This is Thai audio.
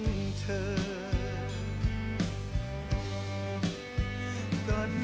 ตอนนั้นแค่ไหนสุดท้ายก็ต้องปล่อย